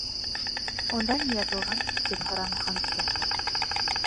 —Унда ни яҙылған? —тип һораны Ханбикә.